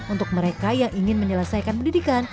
untuk mereka yang ingin menyelesaikan pendidikan